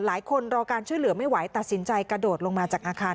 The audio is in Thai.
รอการช่วยเหลือไม่ไหวตัดสินใจกระโดดลงมาจากอาคาร